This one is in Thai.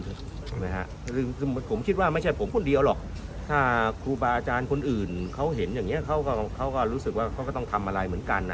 ใช่ไหมฮะคือผมคิดว่าไม่ใช่ผมคนเดียวหรอกถ้าครูบาอาจารย์คนอื่นเขาเห็นอย่างนี้เขาก็รู้สึกว่าเขาก็ต้องทำอะไรเหมือนกันนะ